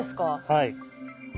はい。